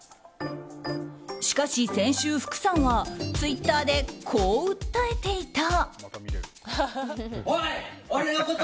しかし先週、福さんはツイッターでこう訴えていた。